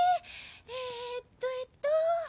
えっとえっと。